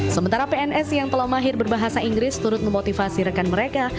sementara pns yang telah mahir berbahasa inggris turut memotivasi rekan mereka